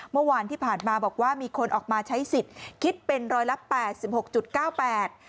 เมื่อวานที่ผ่านมาบอกว่ามีคนออกมาใช้สิทธิ์คิดเป็นร้อยละแปดสิบหกจุดเก้าแปด